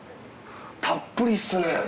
たっぷりっすね。